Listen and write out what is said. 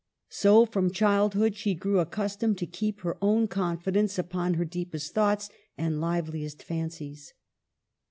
So from childhood she grew accustomed to keep her own confidence upon her deepest thoughts and live liest fancies.